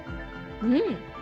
うん！